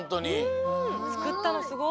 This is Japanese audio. うんつくったのすごい！